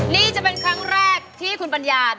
นี่จะเป็นครั้งแรกที่คุณปัญญา